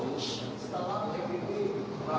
pak pak pak